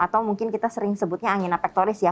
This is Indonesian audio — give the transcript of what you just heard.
atau mungkin kita sering sebutnya angin apektoris ya